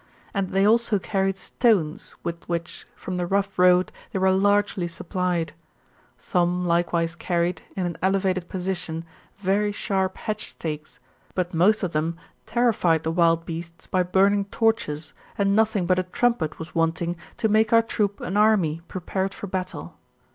And they also carried stones, with which, from the rough road, they were largely supplied. Some likewise carried, in an elevated position, very sharp hedge stakes, but most of them terrified the wild beasts by burning torches, and nothing but a trumpet was wanting to make our troop an army prepared for battle.